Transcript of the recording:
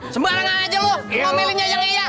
sembarang aja lo ngomelinnya aja liat